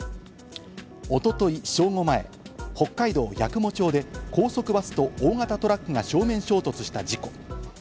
おととい正午前、北海道八雲町で高速バスと大型トラックが正面衝突した事故。